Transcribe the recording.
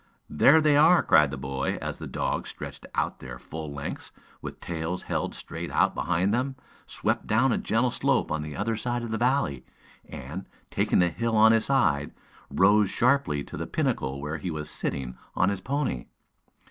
"There they are!" cried the boy, as the dogs, stretched out to their full lengths, with tails held straight out behind them, swept down a gentle slope on the other side of the valley, and, taking the hill on his side, rose rapidly to the pinnacle where he was sitting on his pony.